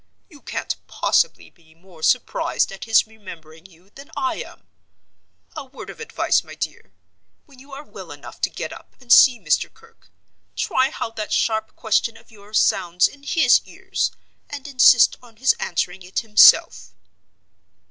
You can't possibly be more surprised at his remembering you than I am. A word of advice, my dear. When you are well enough to get up and see Mr. Kirke, try how that sharp question of yours sounds in his ears, and insist on his answering it himself."